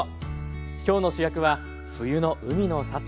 今日の主役は冬の海の幸。